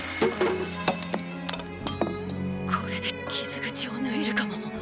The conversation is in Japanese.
これで傷口を縫えるかも！